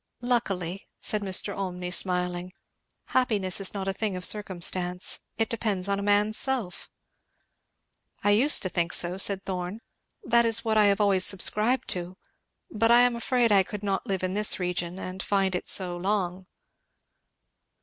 "Luckily," said Mr. Olmney smiling, "happiness is not a thing of circumstance; it depends on a man's self." "I used to think so," said Thorn; "that is what I have always subscribed to; but I am afraid I could not live in this region and find it so long."